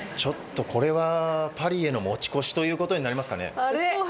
これはパリへの持ち越しということになりますかね。